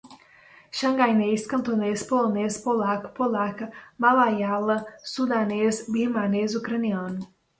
Xangainês, cantonês, polonês, polaco, polaca, malaiala, sundanês, birmanês, ucraniano